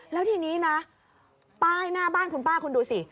แล้วทีนี้นะป้ายหน้าบ้านคุณป้าคุณดูสิ